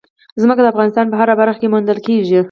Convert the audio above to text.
ځمکه د افغانستان په هره برخه کې موندل کېږي.